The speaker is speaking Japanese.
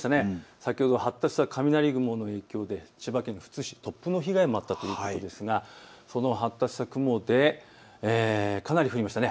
先ほど発達した雷雲、富津市で突風の被害もあったということですが、その発達した雲でかなり降りましたね。